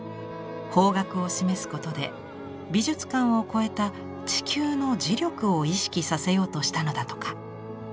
方角を示すことで美術館を越えた地球の磁力を意識させようとしたのだとか。